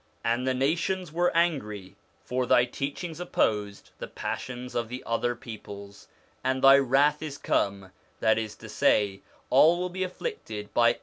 'And the nations were angry,' for Thy teachings opposed the passions of the other peoples :' and Thy wrath is come/ that is to say, all will be afflicted by 1 i.